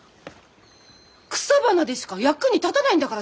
草花でしか役に立たないんだからさ！